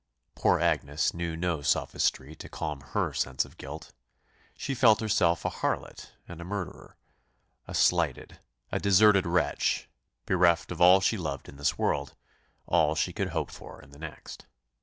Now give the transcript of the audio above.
Poor Agnes knew no sophistry to calm her sense of guilt: she felt herself a harlot and a murderer; a slighted, a deserted wretch, bereft of all she loved in this world, all she could hope for in the next.